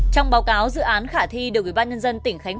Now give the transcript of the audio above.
trong báo cáo dự án khả thi được ubnd tỉnh khánh phú